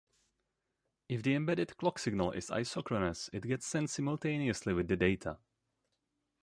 If the embedded clock signal is isochronous, it gets sent simultaneously with the data.